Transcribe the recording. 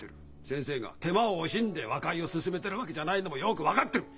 先生が手間を惜しんで和解を勧めてるわけじゃないのもよく分かってる！